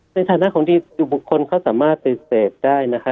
ในฐานะของดีบุคคลเขาสามารถปฏิเสธได้นะคะ